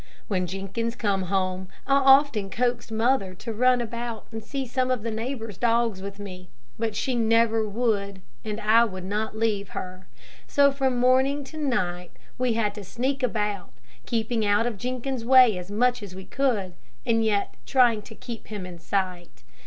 When Jenkins come home, I often coaxed mother to run about and see some of the neighbors' dogs with me. But she never would, and I would not leave her. So, from morning to night we had to sneak about, keeping out of Jenkins' way as much as we could, and yet trying to keep him in sight.